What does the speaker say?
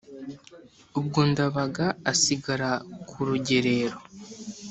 Ubwo Ndabaga asigara ku rugerero,